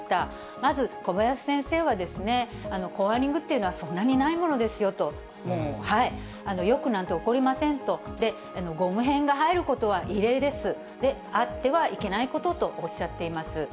まず小林先生は、コアリングっていうのは、そんなにないものですよと、よくなんて起こりませんと、ゴム片が入ることは異例です、あってはいけないこととおっしゃっています。